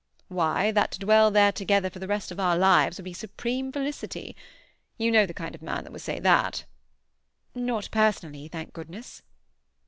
"Why, that to dwell there together for the rest of our lives would be supreme felicity. You know the kind of man that would say that." "Not personally, thank goodness!"